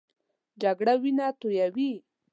جګړه وینه تویوي